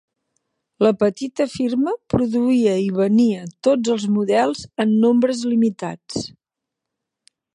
La petita firma produïa i venia tots els models en nombres limitats.